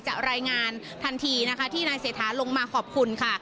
รายงานทันทีนะคะที่นายเศรษฐาลงมาขอบคุณค่ะ